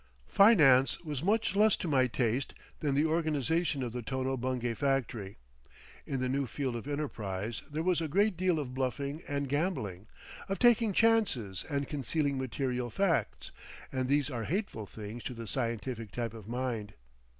Finance was much less to my taste than the organisation of the Tono Bungay factory. In the new field of enterprise there was a great deal of bluffing and gambling, of taking chances and concealing material facts—and these are hateful things to the scientific type of mind.